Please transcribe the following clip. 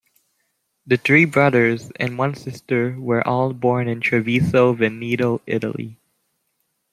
The three brothers and one sister were all born in Treviso, Veneto, Italy.